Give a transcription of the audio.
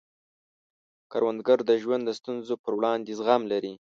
کروندګر د ژوند د ستونزو پر وړاندې زغم لري